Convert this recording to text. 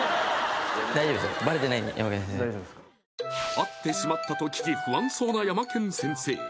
会ってしまったと聞き不安そうなヤマケン先生